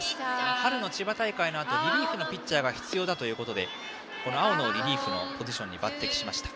春の千葉大会のあとリリーフのピッチャーが必要だということで青野をリリーフのポジションに抜擢しました。